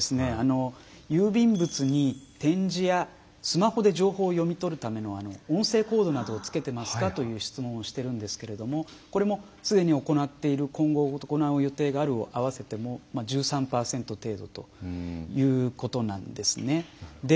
郵便物に点字やスマホで情報を読み取るための音声コードなどをつけてますかという質問をしているんですけれどこれも、すでに行っている今後行う予定があるを合わせても１３％程度ということなんですね。